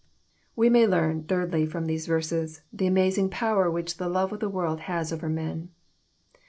We may learn, thirdly, from these verses, the amazing power which the love of the world has over men.